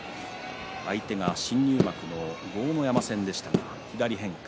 相手が新入幕の豪ノ山戦でしたが左へ変化。